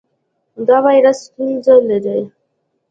د وایرس ستونزه لرئ؟